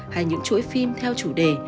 hay những chuỗi phim theo chủ đề